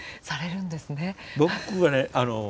僕はね